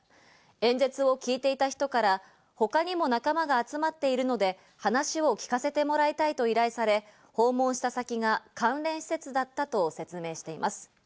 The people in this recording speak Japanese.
演説を聞いていた人から他にも仲間が集まっているので話を聞かせてもらいたいと依頼され、訪問した先が関連施設だったと説明しています。